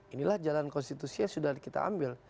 inilah jalan konstitusi yang sudah kita ambil